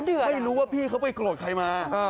ไม่รู้ว่าพี่เขาไปโกรธใครมา